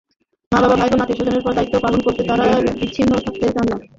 মা-বাবা, ভাইবোন, আত্মীয়স্বজনের ওপর দায়িত্ব পালন থেকে তারা বিচ্ছিন্ন থাকতে চান না।